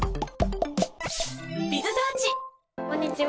こんにちは。